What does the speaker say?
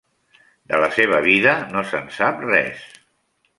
De la seva vida no se'n sap res.